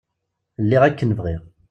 Lliɣ akken bɣiɣ.